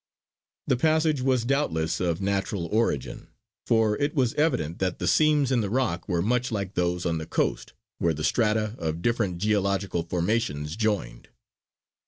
The passage was doubtless of natural origin, for it was evident that the seams in the rock were much like those on the coast where the strata of different geological formations joined.